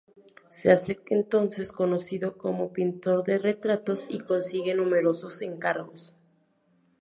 Se hace entonces conocido como pintor de retratos y consigue numerosos encargos.